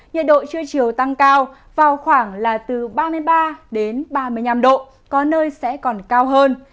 nhiệt độ trưa chiều tăng cao vào khoảng là từ ba mươi ba đến ba mươi năm độ có nơi sẽ còn cao hơn